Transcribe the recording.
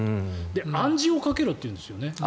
暗示をかけろというんです。